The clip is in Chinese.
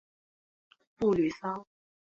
布吕桑。